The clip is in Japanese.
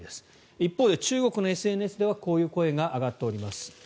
一方で中国のＳＮＳではこういう声が上がっております。